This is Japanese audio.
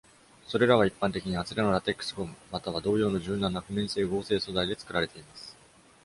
それらは一般的に厚手のラテックスゴムまたは同様の柔軟な不燃性合成素材で作られています。